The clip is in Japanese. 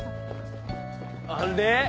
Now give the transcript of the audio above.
あれ？